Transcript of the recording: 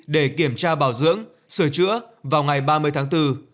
để kiểm tra bảo dưỡng sửa chữa vào ngày ba mươi tháng bốn